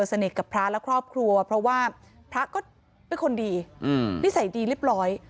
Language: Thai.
สนิทกับพระและครอบครัวเพราะว่าพระก็เป็นคนดีนิสัยดีเรียบร้อย